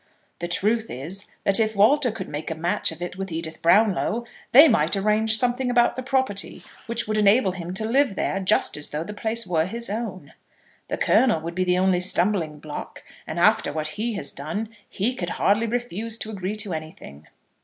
The truth is that if Walter could make a match of it with Edith Brownlow, they might arrange something about the property which would enable him to live there just as though the place were his own. The Colonel would be the only stumbling block, and after what he has done, he could hardly refuse to agree to anything."